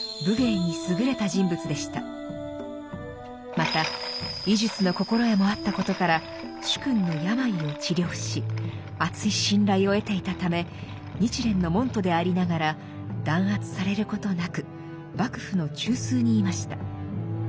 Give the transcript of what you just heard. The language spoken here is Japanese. また医術の心得もあったことから主君の病を治療しあつい信頼を得ていたため日蓮の門徒でありながら弾圧されることなく幕府の中枢にいました。